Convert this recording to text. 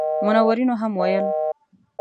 منورینو هم ویل.